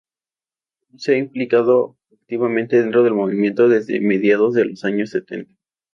Ku se ha implicado activamente dentro del movimiento desde mediados de los años setenta.